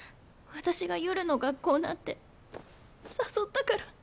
私が夜の学校なんて誘ったから。